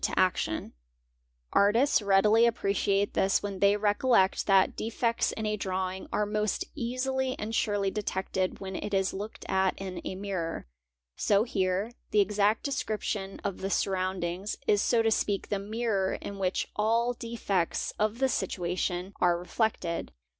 to action, Artists readily appreciate this when they recollect | f HANGING AND. STRANGLING 643 that defects in a drawing are most easily and surely detected when it is looked at in a mirror. So here; the exact description of the surround ings is so to speak the mirror in which all "defects of the situation" are reflected.